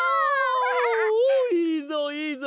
おいいぞいいぞ！